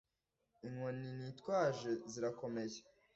Inkoni nitwaje zirakomeye.